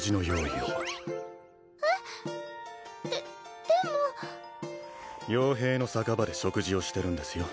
ででも傭兵の酒場で食事をしてるんですよ